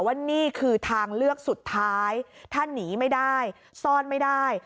ว่านี่คือทางเลือกสุดท้ายถ้าหนีไม่ได้ซ่อนไม่ได้